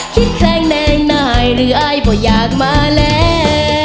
คิดแคลงแน่งนายเรื่อยบ่อยอยากมาแล้ว